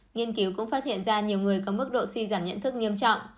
nghiên cứu cũng phát hiện ra nhiều người có mức độ suy giảm nhận thức nghiêm trọng